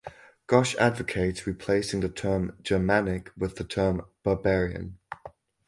Ghosh advocates replacing the term "Germanic" with the term "barbarian".